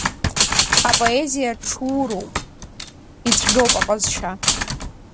Апоезиа ҽуроуп, ицәгьоуп аҟазшьа.